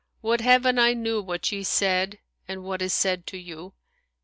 Would Heaven I knew what ye said and what is said to you!"